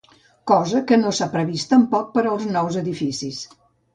Cosa que no s’ha previst, tampoc, per als nous edificis.